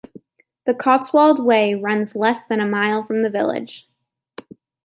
The Cotswold Way runs less than a mile from the village.